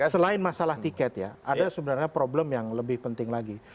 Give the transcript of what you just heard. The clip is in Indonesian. selain masalah tiket ya ada sebenarnya problem yang lebih penting lagi